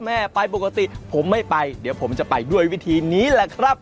แม่ไปปกติผมไม่ไปเดี๋ยวผมจะไปด้วยวิธีนี้แหละครับ